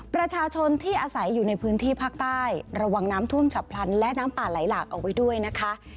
ประชาชนที่อาศัยอยู่ในพื้นที่ภาคใต้ระวังน้ำท่วมฉับพลันและน้ำป่าไหลหลากเอาไว้ด้วยนะคะ